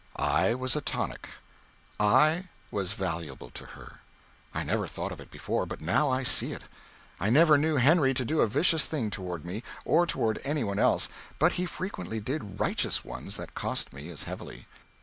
I was a tonic. I was valuable to her. I never thought of it before, but now I see it. I never knew Henry to do a vicious thing toward me, or toward any one else but he frequently did righteous ones that cost me as heavily.